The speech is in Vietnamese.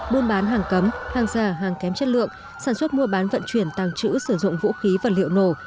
buôn bán hàng cấm hàng già hàng kém chất lượng sản xuất mua bán vận chuyển tăng trữ sử dụng vũ khí và liệu nổ